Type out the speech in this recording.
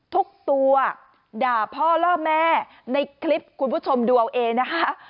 ทุกตัวด่าพ่อล่อแม่ในคลิปคุณผู้ชมดูเอาเองนะคะ